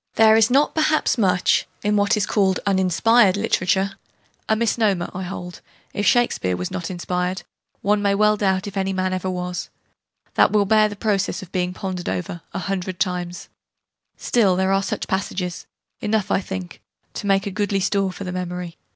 There is not perhaps much, in what is called 'un inspired' literature (a misnomer, I hold: if Shakespeare was not inspired, one may well doubt if any man ever was), that will bear the process of being pondered over, a hundred times: still there are such passages enough, I think, to make a goodly store for the memory.